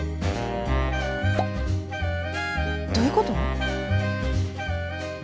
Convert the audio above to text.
どういうこと？